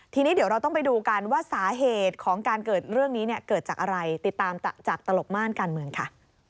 ทีนี้เราต้องไปดูกันว่าสาเหตุของการเกิดเรื่องนี้เกิดจากอะไรติดตามจากตลกม่านกันค่ะ